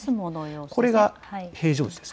これが平常時です。